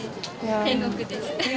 天国です。